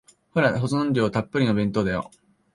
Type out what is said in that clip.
ほら、保存料たっぷりの弁当だよ。